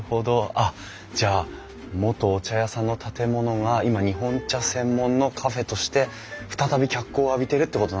あっじゃあ元お茶屋さんの建物が今日本茶専門のカフェとしてふたたび脚光を浴びてるってことなんですね。